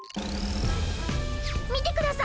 みてください！